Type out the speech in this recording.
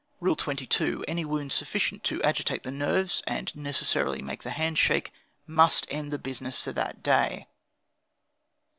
"Rule 22. Any wound sufficient to agitate the nerves and necessarily make the hands shake, must end the business for that day.